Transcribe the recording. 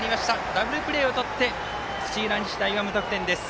ダブルプレーをとって土浦日大は無得点です。